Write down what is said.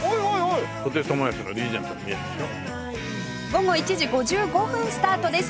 午後１時５５分スタートです